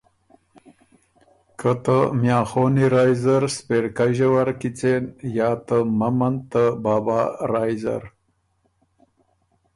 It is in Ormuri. که ته میاں خونی رایٛ زر سپېرکئ ݫوَر کی څېن یا ته ممند ته بابا رایٛ زر